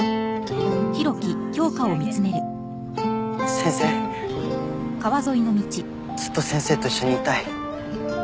先生ずっと先生と一緒にいたい。